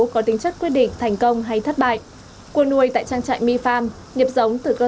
có tính chất quyết định thành công hay thất bại cua nuôi tại trang trại mi farm nhập giống từ cơ